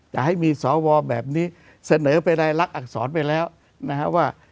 จะให้มีสอวอแบบนี้เสนะไปในรักอักษรไปแล้ว